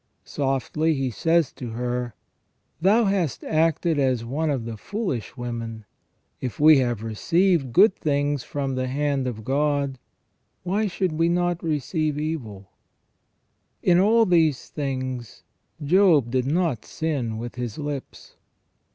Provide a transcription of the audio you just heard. Softly he says to her: "Thou hast acted as one of the foolish women : if we have received good things from the hand of God, why should we not receive evil ? In all these things Job did not sin with his lips."